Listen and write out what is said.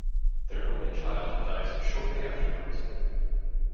Their only child died shortly afterwards.